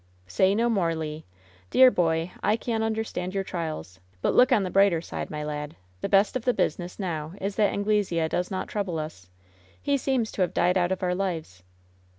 "Say no more, Le! Dear boy, I can understand your trials; but look on the brighter side, my lad. The best of the business now is that Anglesea does not trouble us. He seems to have died out of our lives."